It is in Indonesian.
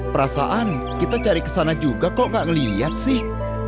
perasaan kita cari ke sana juga kok nggak ngelihat sih